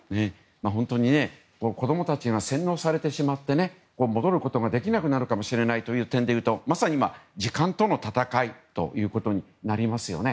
本当に子供たちが洗脳されてしまって戻ることができなくなるかもしれない点でいうとまさに今、時間との戦いということになりますね。